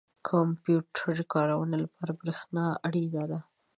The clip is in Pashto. • د کمپیوټر کارونې لپاره برېښنا اړینه ده.